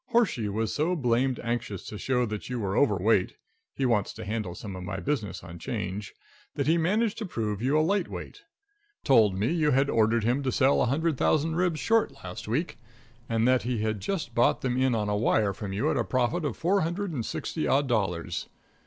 Horshey was so blamed anxious to show that you were over weight he wants to handle some of my business on 'Change that he managed to prove you a light weight. Told me you had ordered him to sell a hundred thousand ribs short last week, and that he had just bought them in on a wire from you at a profit of four hundred and sixty odd dollars.